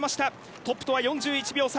トップとは４１秒差。